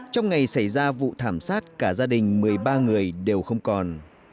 trong ngày xảy ra vụ thảm sát cả gia đình một mươi ba người đều không còn